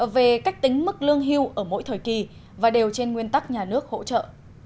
về cách tính mức lương hưu ở mỗi thời kỳ và đều trên nguyên tắc nhà nước hỗ trợ